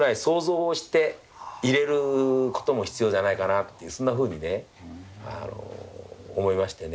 っていうそんなふうにね思いましてね。